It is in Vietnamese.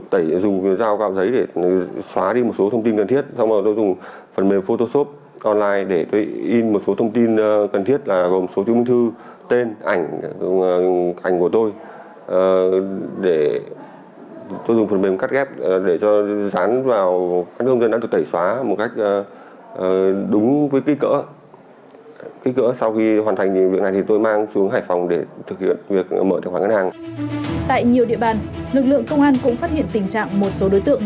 tại nhiều địa bàn lực lượng công an cũng phát hiện tình trạng một số đối tượng